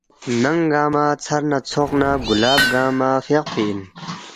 ننگ گنگمہ ژھر نہ ژھوق نہ گلاب گنگمہ فیاقپی اِن